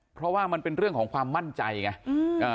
เพราะว่ามันเป็นเรื่องของความมั่นใจไง